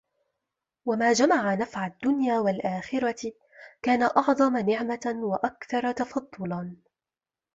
وَمَا جَمَعَ نَفْعَ الدُّنْيَا وَالْآخِرَةِ كَانَ أَعْظَمَ نِعْمَةً وَأَكْثَرَ تَفَضُّلًا